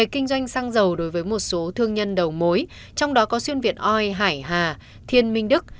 kinh doanh xăng dầu đối với một số thương nhân đầu mối trong đó có xuyên việt oi hải hà thiên minh đức